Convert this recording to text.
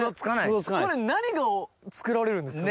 これ何が作られるんですか？